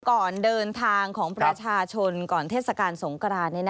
ก่อนเดินทางของประชาชนก่อนเทศกาลสงกราน